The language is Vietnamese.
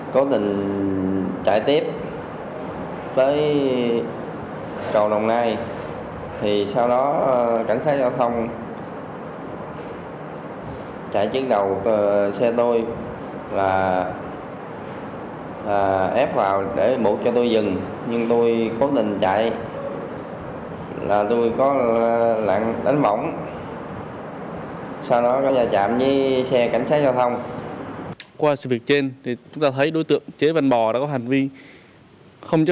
cố tình chạy tiếp tới cầu đồng nai sau đó cảnh sát giao thông chạy trước đầu xe tôi